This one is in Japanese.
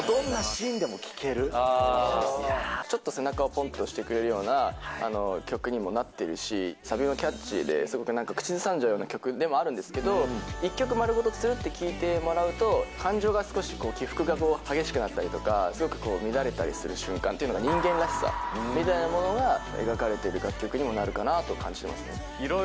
でも爽やかってだけじゃなくて、ちょっと切なさみたいなものがあちょっと背中をぽんと押してくれるような曲にもなっているし、サビもキャッチーで、すごくなんか口ずさんじゃうような曲でもあるんですけど、一曲まるごとするっと聴いてもらうと、感情が少し、起伏が激しくなったりとか、すごく乱れたりする瞬間っていう人間らしさみたいなものが描かれてる楽曲にもなるかなと感じてますね。